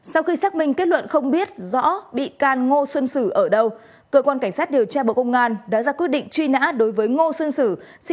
sau khi xác minh kết luận không biết rõ bị can ngô xuân sử ở đâu cơ quan cảnh sát điều tra bộ công an đã ra quyết định truy nã đối với ngô xuân sử